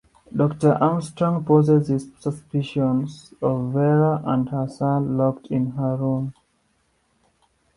Doctor Armstrong poses his suspicions of Vera, and has her locked in her room.